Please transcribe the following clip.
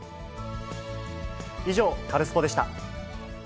以上、カルスポっ！でした。